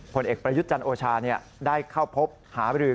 ผลเอกประยุทธ์จันทร์โอชาได้เข้าพบหาบรือ